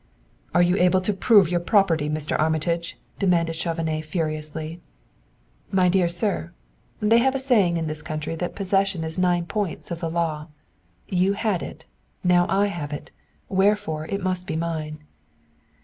"Are you able to prove your property, Mr. Armitage?" demanded Chauvenet furiously. "My dear sir, they have a saying in this country that possession is nine points of the law. You had it now I have it wherefore it must be mine!"